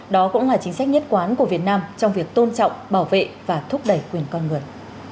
đó cũng là chính sách nhất quán của việt nam trong việc tôn trọng bảo vệ và thúc đẩy quyền con người